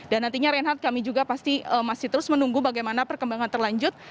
dan nantinya renhardt kami juga pasti masih terus menunggu bagaimana perkembangan terlanjur